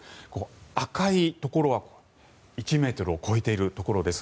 赤いところは１ｍを超えているところです。